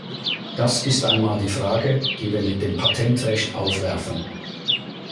Da ist einmal die Frage, die wir mit dem Patentrecht aufwerfen.